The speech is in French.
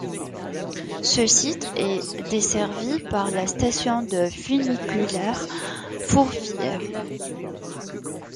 Ce site est desservi par la station de funiculaire Fourvière.